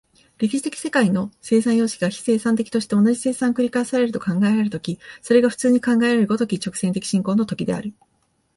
歴史的世界の生産様式が非生産的として、同じ生産が繰り返されると考えられる時、それが普通に考えられる如き直線的進行の時である。